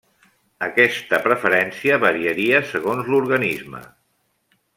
Aquesta preferència variaria segons l'organisme.